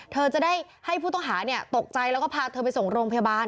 เธอจะได้ให้ผู้ต้องหาตกใจแล้วก็พาเธอไปส่งโรงพยาบาล